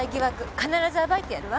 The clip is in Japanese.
必ず暴いてやるわ。